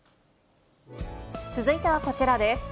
続いてはこちらです。